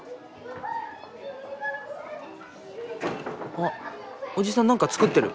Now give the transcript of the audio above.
あっおじさん何か作ってる。